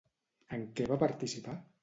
En què va participar?